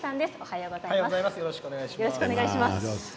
よろしくお願いします。